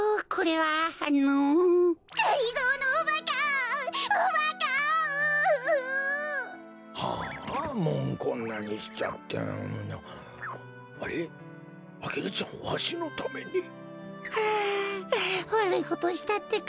はあわるいことしたってか！